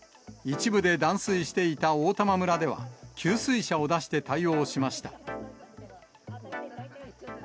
一部で断水していた大玉村では、給水車を出して対応しました。